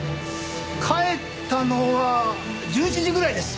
帰ったのは１１時ぐらいです。